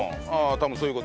多分そういう事。